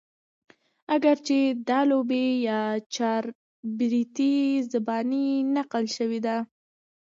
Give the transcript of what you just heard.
اګر چې دا لوبې يا چاربيتې زباني نقل شوي دي